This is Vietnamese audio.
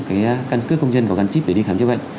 cái căn cức công dân và căn chip để đi khám chữa bệnh